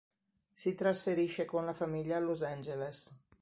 Si trasferisce con la famiglia a Los Angeles.